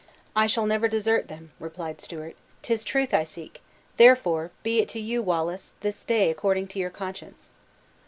"I shall never desert them," replied Stewart; "'tis truth I seek; therefore be it to you. Wallace, this day according to your conscience!"